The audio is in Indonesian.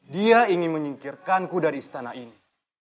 dia ingin menyingkirkanku dari istana ini